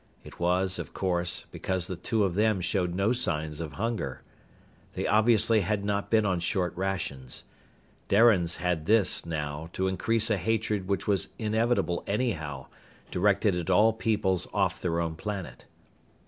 It was, of course, because the two of them showed no signs of hunger. They obviously had not been on short rations. Darians had this, now, to increase a hatred which was inevitable anyhow, directed at all peoples off their own planet.